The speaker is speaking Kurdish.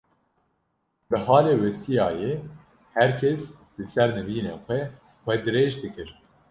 bi halê westiyayê her kes li ser nivînên xwe, xwe dirêj dikir.